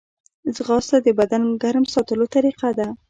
ځغاسته د بدن ګرم ساتلو طریقه ده